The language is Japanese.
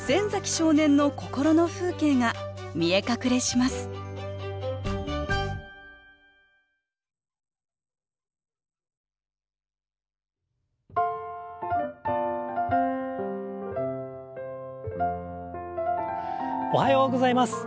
少年の心の風景が見え隠れしますおはようございます。